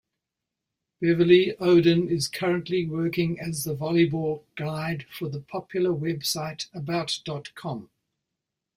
Beverly Oden is currently working as the Volleyball Guide for the popular website About.com.